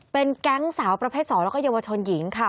เป็นแก๊งสาวประเภท๒แล้วก็เยาวชนหญิงค่ะ